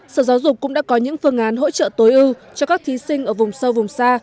sở giáo dục cũng đã có những phương án hỗ trợ tối ưu cho các thí sinh ở vùng sâu vùng xa